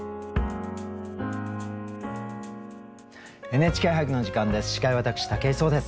「ＮＨＫ俳句」の時間です。